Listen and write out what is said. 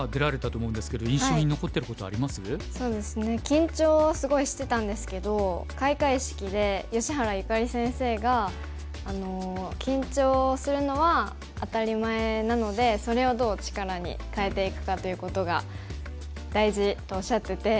緊張はすごいしてたんですけど開会式で吉原由香里先生が「緊張するのは当たり前なのでそれをどう力に変えていくかということが大事」とおっしゃってて。